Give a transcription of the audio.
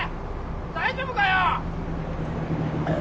大丈夫かよ。